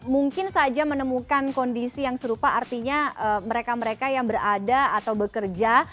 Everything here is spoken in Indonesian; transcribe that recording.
mungkin saja menemukan kondisi yang serupa artinya mereka mereka yang berada atau bekerja